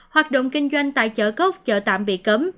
hoạt động kinh doanh tại chợ cốc chợ tạm bị cấm